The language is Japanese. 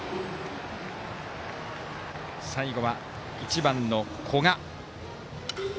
最後は１番の古賀。